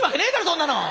そんなの！